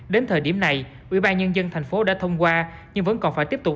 đến thời điểm này ubnd thành phố đã thông qua nhưng vẫn còn phải tiếp tục